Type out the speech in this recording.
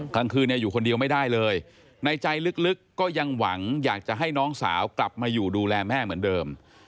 กลางคืนอยู่คนเดียวไม่ได้เลยในใจลึกก็ยังหวังอยากจะให้น้องสาวกลับมาอยู่ดูแลแม่เหมือนเดิม